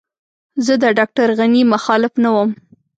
زه د ډاکټر غني مخالف نه وم.